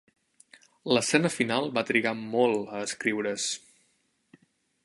L'escena final va trigar molt a escriure's.